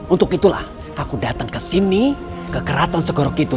untuk itulah aku datang ke sini ke kratom segoregido